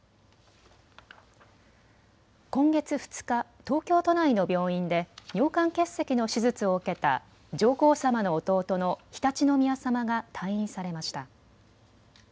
今月２日、東京都内の病院で尿管結石の手術を受けた上皇さまの弟の常陸宮さまが退院されました。